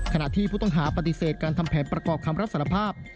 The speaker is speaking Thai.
ขณะที่ผู้ต้องหาปฏิเสธการทำแผนประกอบคำรับสารภาพ